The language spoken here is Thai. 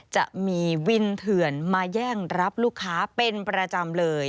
จะมีวินเถื่อนมาแย่งรับลูกค้าเป็นประจำเลย